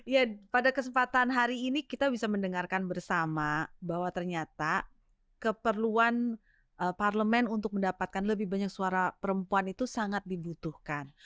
ya pada kesempatan hari ini kita bisa mendengarkan bersama bahwa ternyata keperluan parlemen untuk mendapatkan lebih banyak suara perempuan itu sangat dibutuhkan